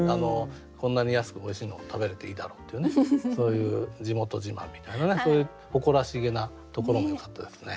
こんなに安くおいしいのを食べれていいだろうっていうそういう地元自慢みたいなそういう誇らしげなところもよかったですね。